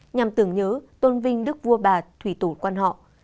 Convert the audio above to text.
nhằm tưởng nhớ tôn vinh đức vua bà thủy tổ quan họ